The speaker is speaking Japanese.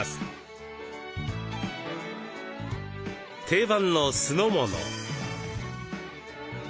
定番の酢の物。